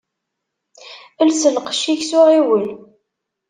Els lqecc-ik s uɣiwel.